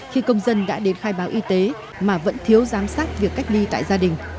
khi công dân đã đến khai báo y tế mà vẫn thiếu giám sát việc cách ly tại gia đình